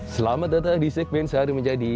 selamat datang di segmen sehari menjadi